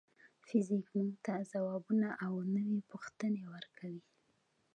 فزیک موږ ته ځوابونه او نوې پوښتنې ورکوي.